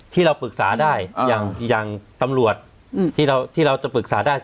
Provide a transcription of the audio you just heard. ที่เราปรึกษาได้อย่างอย่างตำรวจอืมที่เราที่เราจะปรึกษาได้